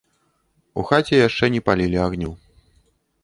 У хаце яшчэ не палілі агню.